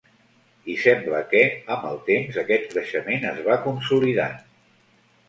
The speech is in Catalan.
I sembla que, amb el temps, aquest creixement es va consolidant.